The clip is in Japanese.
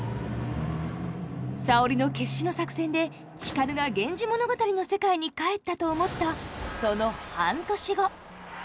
沙織の決死の作戦で光が「源氏物語」の世界に帰ったと思ったその半年後。